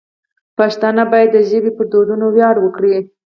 پښتانه باید د ژبې پر دودونو ویاړ وکړي.